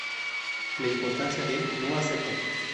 La importancia de "No acepto!!!